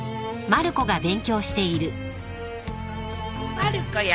・まる子や。